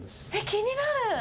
気になる。